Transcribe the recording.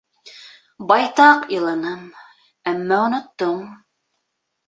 Байтаҡ иланым, әммә оноттом.